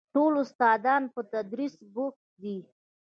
ټول استادان په تدريس بوخت دي.